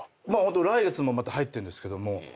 来月もまた入ってんですけども。